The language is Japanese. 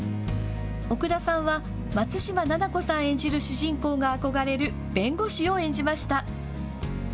奥田さんは松嶋奈々子さん演じる主人公が憧れる弁護士を演じました。